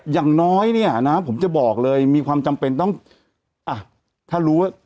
อย่างน้อยเนี่ยนะผมจะบอกเลยมีความจำเป็นต้องอ่ะถ้ารู้ว่า